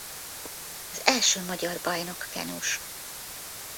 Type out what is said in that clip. Az első magyar bajnok kenus.